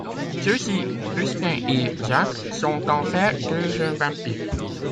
Ceux-ci, Justin et Zach, sont en fait deux jeunes vampires.